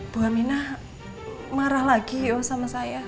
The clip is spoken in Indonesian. bu aminah marah lagi oh sama saya